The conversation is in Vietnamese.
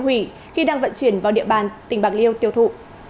lực lượng chức năng đã tiêu hủy khi đang vận chuyển vào địa bàn tỉnh bạc liêu tiêu thụ